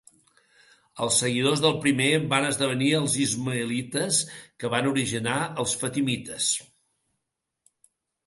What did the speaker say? Els seguidors del primer van esdevenir els ismaïlites que van originar els fatimites.